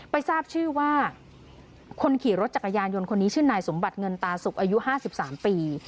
ทราบชื่อว่าคนขี่รถจักรยานยนต์คนนี้ชื่อนายสมบัติเงินตาสุกอายุ๕๓ปี